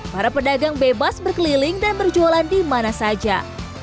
para pedagang bebas berkeliling dan berjualan dimana saja